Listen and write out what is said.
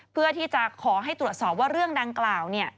เพื่อที่จะขอให้ตรวจสอบว่าเรื่องดังกล่าว